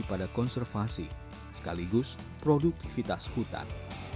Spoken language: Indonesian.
pertama rustam mengusir pada konservasi sekaligus produktivitas hutan